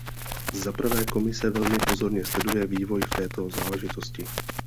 Za prvé, Komise velmi pozorně sleduje vývoj v této záležitosti.